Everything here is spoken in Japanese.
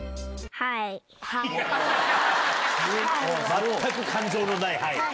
全く感情のない「はい」。